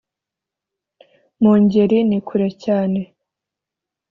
mu ngeri ni kure cyane